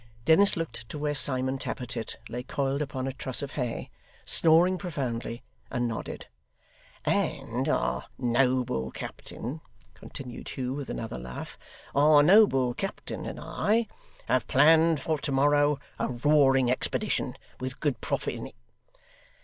Dennis looked to where Simon Tappertit lay coiled upon a truss of hay, snoring profoundly, and nodded. 'And our noble captain,' continued Hugh with another laugh, 'our noble captain and I, have planned for to morrow a roaring expedition, with good profit in it.